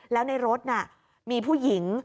แล้วในรถน่ะมีผู้หญิง